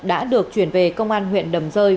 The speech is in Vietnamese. đã được chuyển về công an huyện đầm rơi